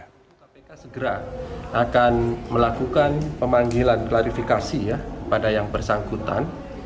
kpk segera akan melakukan pemanggilan klarifikasi ya pada yang bersangkutan